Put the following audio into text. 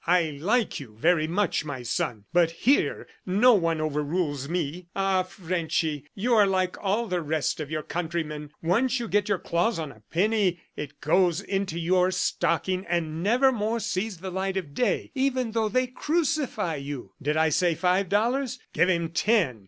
"I like you very much, my son, but here no one overrules me. ... Ah, Frenchy, you are like all the rest of your countrymen! Once you get your claws on a penny, it goes into your stocking, and nevermore sees the light of day, even though they crucify you. ..! Did I say five dollars? Give him ten.